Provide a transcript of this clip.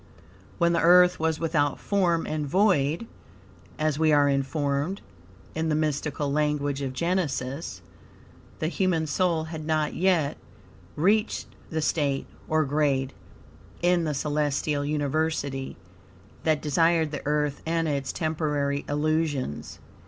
When the Earth was without form and void," as we are informed in the mystical language of Genesis, the human soul had not yet reached the state, or grade, in the celestial university that desired the Earth and its temporary illusions.